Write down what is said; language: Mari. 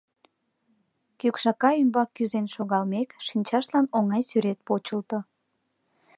Кӱкшака ӱмбак кӱзен шогалмек, шинчаштлан оҥай сӱрет почылто.